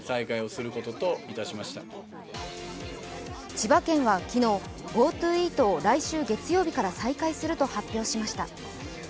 千葉県は昨日、ＧｏＴｏイートを来週月曜日から再開すると発表しました。